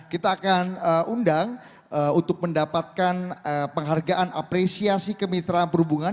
kita akan undang untuk mendapatkan penghargaan apresiasi kemitraan perhubungan